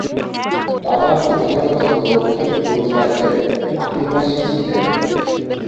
তাঁরা প্রধানত দক্ষিণ গুজরাতের অধিবাসী ছিলেন।